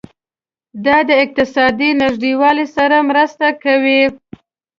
دا د اقتصادي نږدیوالي سره مرسته کوي.